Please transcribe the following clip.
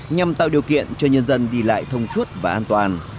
nhằm tạo điều kiện cho nhân dân đi lại thông suốt và an toàn